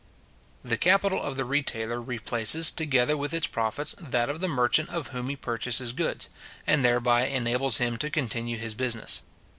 The capital of the retailer replaces, together with its profits, that of the merchant of whom he purchases goods, and thereby enables him to continue his business.